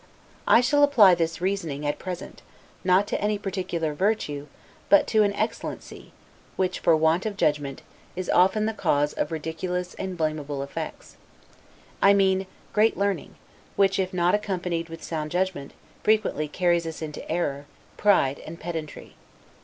I shall apply this reasoning, at present, not to any particular virtue, but to an excellency, which, for want of judgment, is often the cause of ridiculous and blamable effects; I mean, great learning; which, if not accompanied with sound judgment, frequently carries us into error, pride, and pedantry.